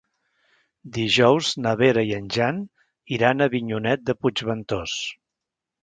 Dijous na Vera i en Jan iran a Avinyonet de Puigventós.